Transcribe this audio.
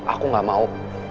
aku gak mau